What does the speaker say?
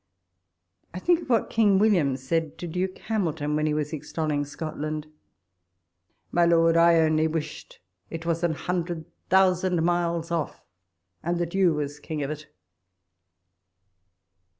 I think of what King William said to Duke Hamilton, when he was extolling Scot land :" My Lord, I only wished it was a hundred thousand miles off, and that you was king ofit!"